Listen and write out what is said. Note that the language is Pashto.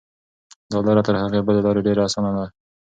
دا لاره تر هغې بلې لارې ډېره اسانه ده.